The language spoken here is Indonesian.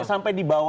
sampai di bawah